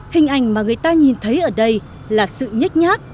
hình ảnh mà người ta nhìn thấy ở đây là sự nhách nhát